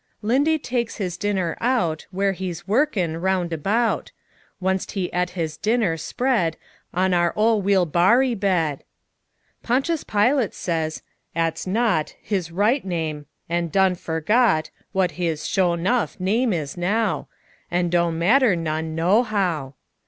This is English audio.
'Lindy takes his dinner out Wher' he's workin' roun' about. Wunst he et his dinner, spread In our ole wheel borry bed. Ponchus Pilut says "'at's not His right name, an' done fergot What his sho' nuff name is now An' don' matter none _no_how!"